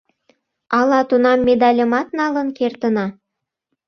Ала тунам медальымат налын кертына.